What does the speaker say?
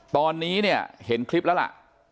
ตอนนี้เนี่ยเห็นคลิปแล้วล่ะ